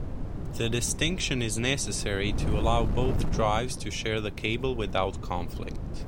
This distinction is necessary to allow both drives to share the cable without conflict.